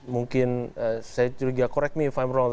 mungkin saya juga correct me if i'm wrong